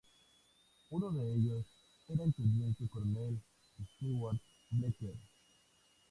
Uno de ellos era el teniente coronel Stewart Blacker.